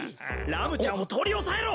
ラムちゃんを取り押さえろ！